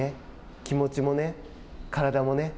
気持ちもね体もね